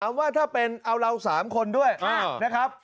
ว่าถ้าเป็นเอาเรา๓คนด้วยนะครับ